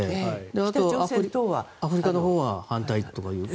あとアフリカのほうは反対と。